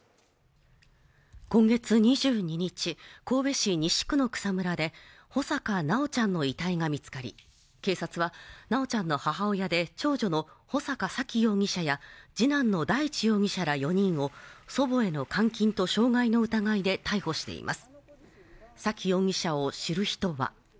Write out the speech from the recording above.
今月２２日、神戸市西区の草むらで穂坂修ちゃんの遺体が見つかり、警察は修ちゃんの母親で長女の穂坂沙喜容疑者や次男の大地容疑者ら４人を祖母への監禁と傷害の疑いで逮捕しています。